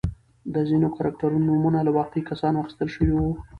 د ځینو کرکټرونو نومونه له واقعي کسانو اخیستل شوي وو.